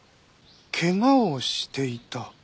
怪我をしていた？